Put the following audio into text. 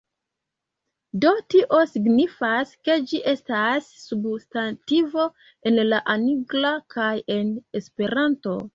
Do tio signifas ke ĝi estas substantivo en la Angla, kaj en Esperanto.